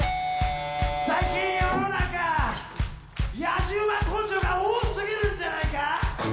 最近世の中やじ馬根性が多すぎるんじゃないか？